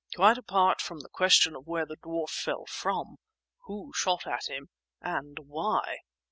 Quite apart from the question of where the dwarf fell from, who shot at him and why?"